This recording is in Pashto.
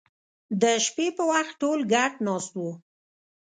د شپې په وخت ټول ګډ ناست وو